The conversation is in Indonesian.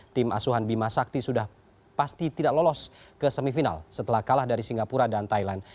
tim asuhan bima sakti sudah pasti tidak lolos ke semifinal setelah kalah dari singapura dan thailand